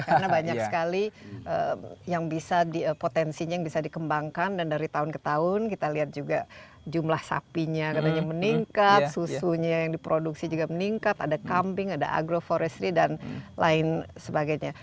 karena banyak sekali potensinya yang bisa dikembangkan dan dari tahun ke tahun kita lihat juga jumlah sapinya yang meningkat susunya yang diproduksi juga meningkat ada camping ada agroforestry dan lain sebagainya